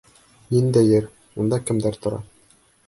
Ниндәй ер, унда кемдәр тора?